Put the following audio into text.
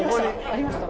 ありました？